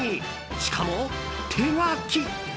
しかも、手書き。